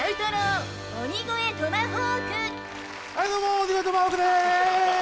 はいどうも鬼越トマホークです！